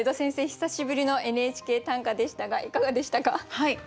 久しぶりの「ＮＨＫ短歌」でしたがいかがでしたか？